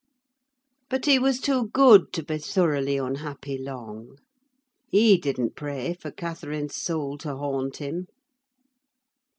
But he was too good to be thoroughly unhappy long. He didn't pray for Catherine's soul to haunt him.